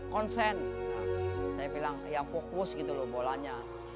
konsen saya bilang yang fokus gitu loh bolanya